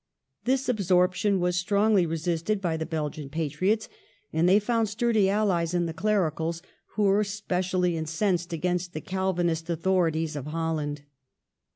This absorption was strongly resisted by the Belgian patriots, and they found sturdy allies in the Clericals, who were specially incensed against the Calvinist authorities of Holland.